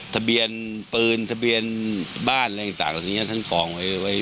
ทะเบียนปืนทะเบียนบ้านอะไรอย่างเงี้ยท่านกองไว้ไว้